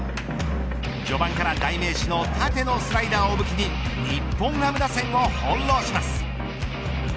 序盤から代名詞の縦のスライダーを武器に日本ハム打線をほんろうします。